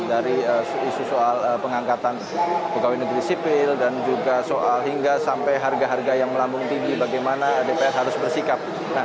dari isu soal pengangkatan pegawai negeri sipil dan juga soal hingga sampai harga harga yang melambung tinggi bagaimana dpr harus bersikap